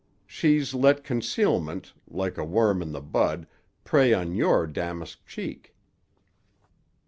She's let concealment, like a worm i' the bud, prey on your damask cheek."